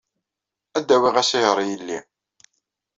Ad d-awiɣ asiher i yelli.